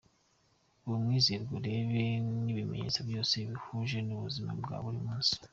Ba umwizerwa, ureba n’ibimenyetso byose muhuje mu buzima bwa buri munsi.